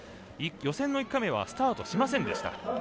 予選の１回目はスタートしませんでした。